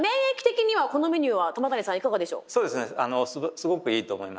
すごくいいと思います。